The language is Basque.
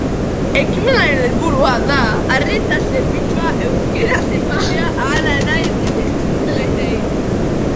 Ekimenaren helburua da arreta zerbitzua euskaraz ematea hala nahi dutenei.